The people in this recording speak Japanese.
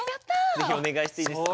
是非お願いしていいですか？